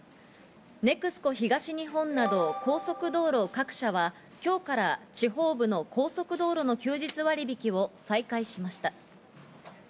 ＮＥＸＣＯ東日本など高速道路各社は、今日から地方部の高速道路の休日割引を再開しました。